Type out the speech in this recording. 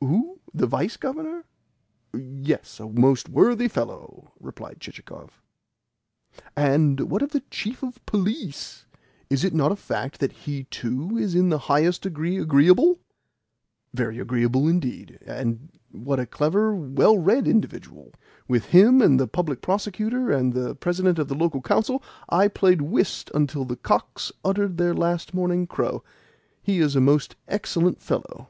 "Who? The Vice Governor? Yes, a most worthy fellow!" replied Chichikov. "And what of the Chief of Police? Is it not a fact that he too is in the highest degree agreeable?" "Very agreeable indeed. And what a clever, well read individual! With him and the Public Prosecutor and the President of the Local Council I played whist until the cocks uttered their last morning crow. He is a most excellent fellow."